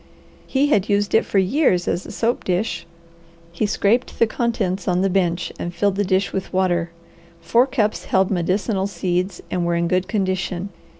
He had used it for years as a soap dish. He scraped the contents on the bench and filled the dish with water. Four cups held medicinal seeds and were in good condition.